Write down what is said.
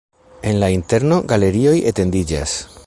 En la interno galerioj etendiĝas.